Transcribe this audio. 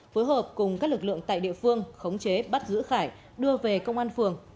phối hợp cùng các lực lượng tại địa phương khống chế bắt giữ khải đưa về công an phường